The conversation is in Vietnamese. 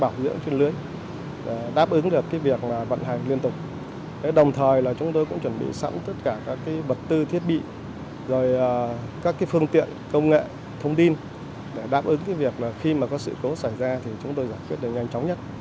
các phương tiện công nghệ thông tin đáp ứng việc khi có sự cố xảy ra thì chúng tôi giải quyết nhanh chóng nhất